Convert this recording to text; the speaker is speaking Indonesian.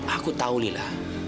aku tahu lila